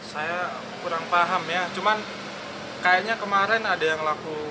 saya kurang paham ya cuman kayaknya kemarin ada yang laku